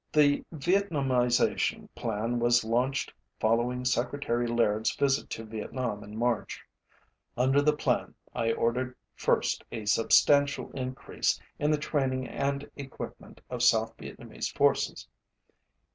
The Vietnamization plan was launched following Secretary LairdÆs visit to Vietnam in March. Under the plan, I ordered first a substantial increase in the training and equipment of South Vietnamese forces.